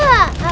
ya allah dewa